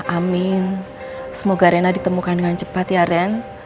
amin semoga rena ditemukan dengan cepat ya ren